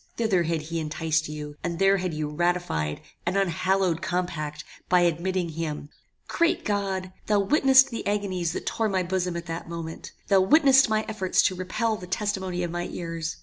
Thither had he enticed you, and there had you ratified an unhallowed compact by admitting him "Great God! Thou witnessedst the agonies that tore my bosom at that moment! Thou witnessedst my efforts to repel the testimony of my ears!